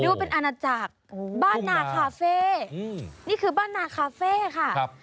ว่าเป็นอาณาจักรบ้านนาคาเฟ่นี่คือบ้านนาคาเฟ่ค่ะครับ